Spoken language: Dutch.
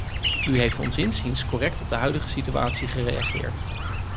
U heeft ons inziens correct op de huidige situatie gereageerd.